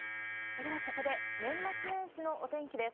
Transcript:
では、ここで年末年始のお天気です。